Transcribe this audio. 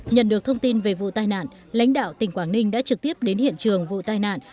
nhận được thông tin về vụ tai nạn lãnh đạo tỉnh quảng ninh đã trực tiếp đến hiện trường vụ tai nạn